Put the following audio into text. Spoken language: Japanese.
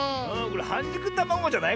はんじゅくたまごじゃない？